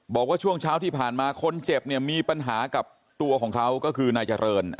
บอกว่าช่วงเช้าที่ผ่านมาคนเจ็บเนี่ยมีปัญหากับตัวของเขาก็คือนายเจริญ